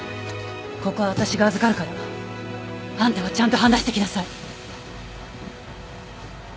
ここは私が預かるからあんたはちゃんと話してきなさい。